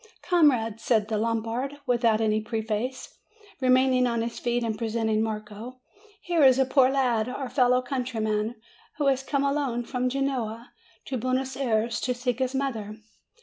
"Comrades," said the Lombard, without any pre face, remaining on his feet, and presenting Marco, "here is a poor lad, our fellow countryman, who has come alone from Genoa to Buenos Ayres to seek his mother.